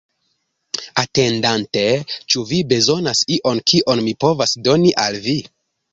Atendante, ĉu vi bezonas ion, kion mi povas doni al vi?